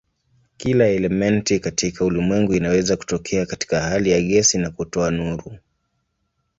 Kila elementi katika ulimwengu inaweza kutokea katika hali ya gesi na kutoa nuru.